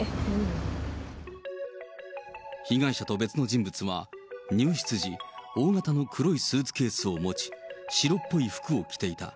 被害者と別の人物は、入室時、大型の黒いスーツケースを持ち、白っぽい服を着ていた。